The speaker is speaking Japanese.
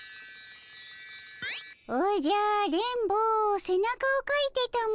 おじゃ電ボせなかをかいてたも。